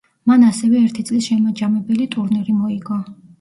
მან ასევე ერთი წლის შემაჯამებელი ტურნირი მოიგო.